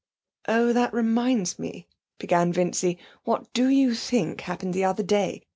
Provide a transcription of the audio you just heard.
'Oh, that reminds me,' began Vincy. 'What do you think happened the other day?